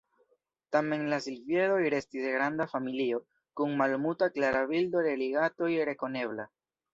Tamen la silviedoj restis granda familio, kun malmulta klara bildo de rilatoj rekonebla.